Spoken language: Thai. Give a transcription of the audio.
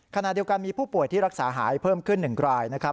ขณะเดียวกันมีผู้ป่วยที่รักษาหายเพิ่มขึ้น๑รายนะครับ